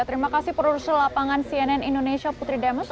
terima kasih perurusan lapangan cnn indonesia putri demus